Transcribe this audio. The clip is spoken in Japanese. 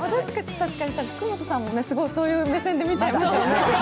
確かに福本さんもそういう目線で見ちゃいますよね。